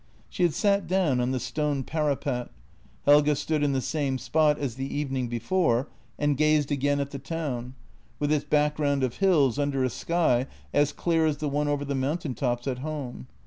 She had sat down on the stone parapet. Helge stood in the same spot as the evening before and gazed again at the town, with its background of hills under a sky as clear as the one over the mountain tops at home.